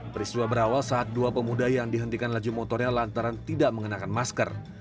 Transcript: peristiwa berawal saat dua pemuda yang dihentikan laju motornya lantaran tidak mengenakan masker